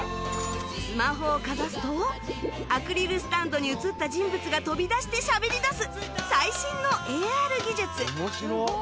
スマホをかざすとアクリルスタンドに写った人物が飛び出してしゃべりだす最新の ＡＲ 技術